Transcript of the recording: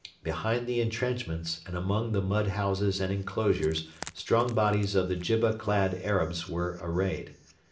Behind the entrenchments and among the mud houses and enclosures strong bodies of the jibba clad Arabs were arrayed.